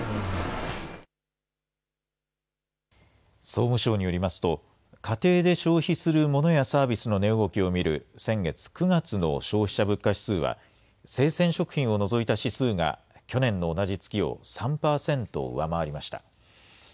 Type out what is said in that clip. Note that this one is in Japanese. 総務省によりますと、家庭で消費するモノやサービスの値動きを見る先月・９月の消費者物価指数は、生鮮食品を除いた指数が去年の同じ月を３％上回りました。